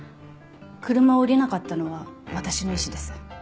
車を降りなかったのは私の意思です。